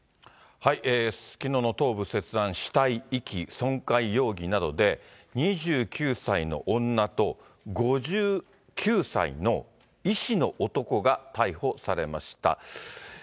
すすきのの頭部切断、死体遺棄、損壊容疑などで、２９歳の女と５９歳の医師の男が逮捕されました。